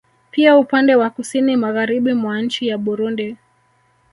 Pia upande wa kusini Magharibi mwa nchi ya Burundi